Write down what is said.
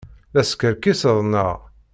La teskerkiseḍ, naɣ?